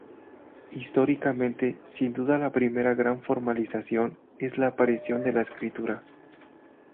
Históricamente, sin duda, la primera gran formalización, es la aparición de la escritura.